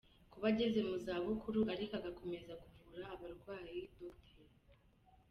Kuba ageze mu zabukuru, ariko agakomeza kuvura abarwayi, Dr.